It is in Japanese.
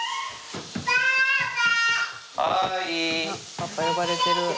パパ呼ばれてる。